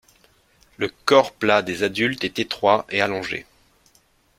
Le corps plat des adultes est étroit et allongé.